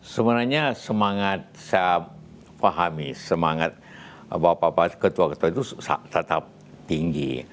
sebenarnya semangat saya fahami semangat bapak bapak ketua ketua itu tetap tinggi